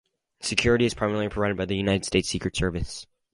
Security is primarily provided by the United States Secret Service.